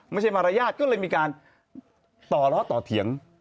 ไม่ใช่มารยาทก็เลยมีการต่อล้อต่อเถียง